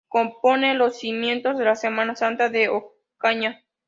Compone los cimientos de la Semana Santa de Ocaña.